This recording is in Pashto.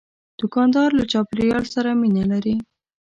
دوکاندار له چاپیریال سره مینه لري.